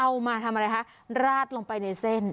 เอามาทำอะไรคะราดลงไปในเส้น